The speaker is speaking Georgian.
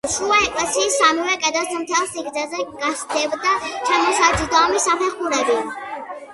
შუა ეკლესიის სამივე კედელს მთელ სიგრძეზე გასდევდა ჩამოსაჯდომი საფეხური.